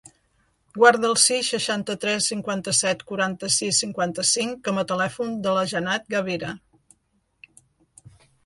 Guarda el sis, seixanta-tres, cinquanta-set, quaranta-sis, cinquanta-cinc com a telèfon de la Jannat Gavira.